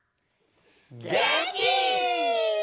げんき！